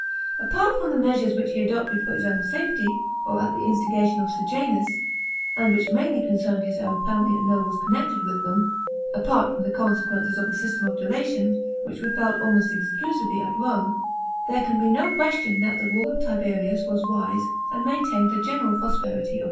Apart from the measures which he adopted for his own safety, or at the instigation of Sejanus, and which mainly concerned his own family and nobles connected with them — apart from the conse quences ol the system of delation, which were felt almost ex clusively at Rome — there can be no question that the rule of Tiberius was wise, and maintained the general prosperity of the 14 37 A.